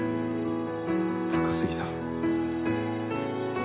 高杉さん。